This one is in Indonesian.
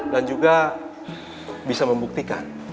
dan juga bisa membuktikan